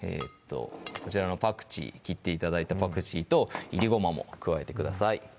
こちらのパクチー切って頂いたパクチーといりごまも加えてください